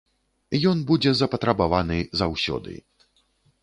Ён будзе запатрабаваны заўсёды.